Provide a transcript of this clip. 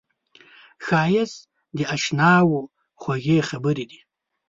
ښایست د اشناوو خوږې خبرې دي